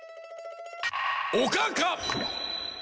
おかかっ！